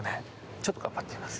ちょっと頑張ってみます。